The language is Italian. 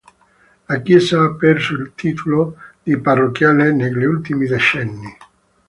La chiesa ha perso il titolo di parrocchiale negli ultimi decenni.